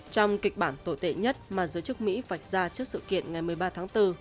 trong kịch bản tồi tệ nhất mà giới chức mỹ vạch ra trước sự kiện ngày một mươi ba tháng bốn